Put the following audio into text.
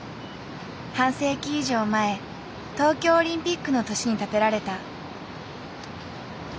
半世紀以上前東京オリンピックの年に建てられた。